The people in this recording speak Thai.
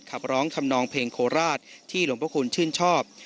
ขับร้องทำนองเพลงโคราชที่หลวงพระคุณชื่นชอบ